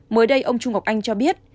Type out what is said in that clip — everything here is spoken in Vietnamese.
mới đây ông trung ngọc anh cho biết